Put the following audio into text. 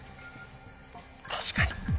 確かに。